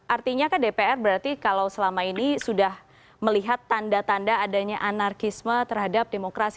artinya kan dpr berarti kalau selama ini sudah melihat tanda tanda adanya anarkisme terhadap demokrasi